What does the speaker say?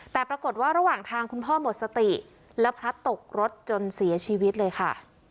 แต่ปรากฏว่าระหว่างทางคุณพ่อหมดสติแล้วพลัดตกรถจนเสียชีวิตเลยค่ะ